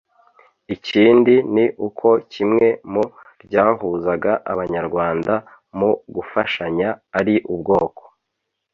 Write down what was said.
ikindi ni uko kimwe mu byahuzaga abanyarwanda mu gufashanya, ari ubwoko